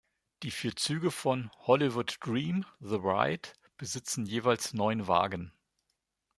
Die vier Züge von "Hollywood Dream: The Ride" besitzen jeweils neun Wagen.